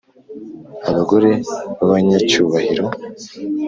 Abagore b abanyacyubahiro